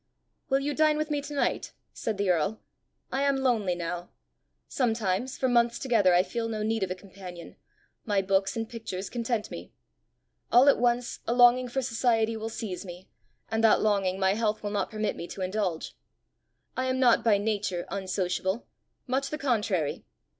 "Will you dine with me to night?" said the earl. "I am lonely now. Sometimes, for months together, I feel no need of a companion: my books and pictures content me. All at once a longing for society will seize me, and that longing my health will not permit me to indulge. I am not by nature unsociable much the contrary.